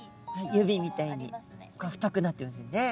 指みたいに太くなってますよね。